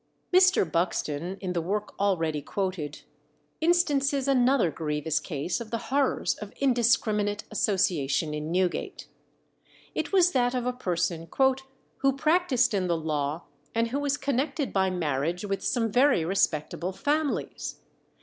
Mr. Buxton, in the work already quoted, instances another grievous case of the horrors of indiscriminate association in Newgate. It was that of a person "who practised in the law, and who was connected by marriage with some very respectable families.